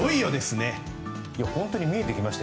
本当に見えてきました。